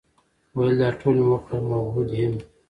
ویل دا ټول مي وکړل، مؤحد یم ،